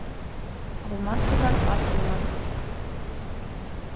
Алма-сыбар ат булмаҫ